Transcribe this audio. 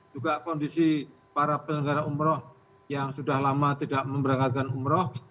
juga kondisi para penyelenggara umroh yang sudah lama tidak memberangkatkan umroh